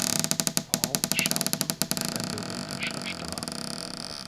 Paul Sheldon ist ein berühmter Schriftsteller.